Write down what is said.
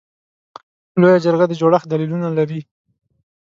لویه جرګه د جوړښت دلیلونه لري.